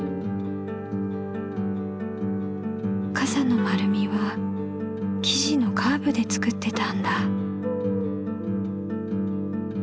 かさの丸みは生地のカーブで作ってたんだ。